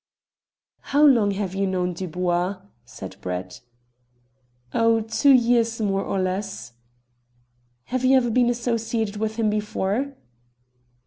"How long have you known Dubois?" said Brett. "Oh, two years more or less." "Have you ever been associated with him before?"